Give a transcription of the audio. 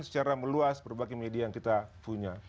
secara meluas berbagai media yang kita punya